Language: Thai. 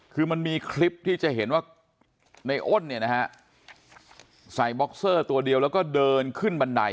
คือมันมีคลิปที่จะเห็นว่าในอ้นเนี่ยนะฮะใส่บ็อกเซอร์ตัวเดียวแล้วก็เดินขึ้นบันได